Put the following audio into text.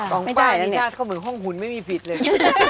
ของป้ายนี่หน้าก็เหมือนห้องหุ่นไม่มีผิดเลย